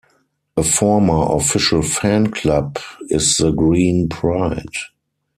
A former official fanclub is The Green Pride.